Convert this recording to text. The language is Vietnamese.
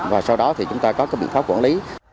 và sau đó thì chúng ta có cái biện pháp quản lý